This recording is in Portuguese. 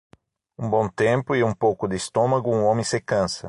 Um bom tempo e um pouco de estômago um homem se cansa.